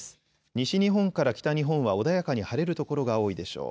西日本から北日本は穏やかに晴れる所が多いでしょう。